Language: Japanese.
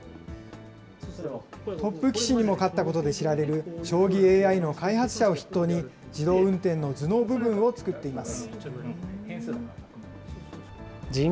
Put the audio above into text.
トップ棋士にも勝ったことで知られる将棋ＡＩの開発者を筆頭に、自動運転の頭脳部分を作っています。